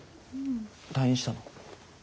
退院したの？